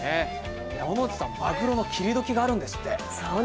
山内さん、マグロの切りどきがあるんですって。